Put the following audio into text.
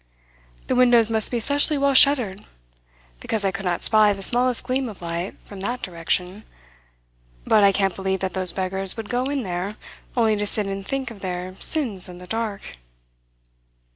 The windows must be specially well shuttered, because I could not spy the smallest gleam of light from that direction; but I can't believe that those beggars would go in there only to sit and think of their sins in the dark."